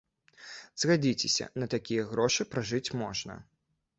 Згадзіцеся, на такія грошы пражыць можна.